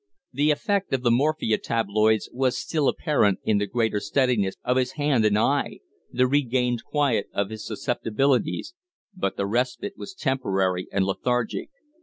The effect of the morphia tabloids was still apparent in the greater steadiness of his hand and eye, the regained quiet of his susceptibilities, but the respite was temporary and lethargic.